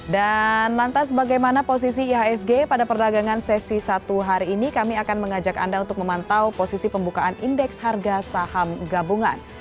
dan mantas bagaimana posisi ihsg pada perdagangan sesi satu hari ini kami akan mengajak anda untuk memantau posisi pembukaan indeks harga saham gabungan